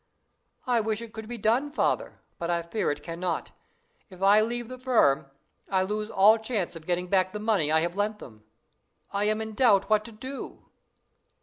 "I wish it could be done, Father, but I fear it cannot. If I leave the firm, I shall lose all chance of getting back the money I have lent them. I am in doubt what to do."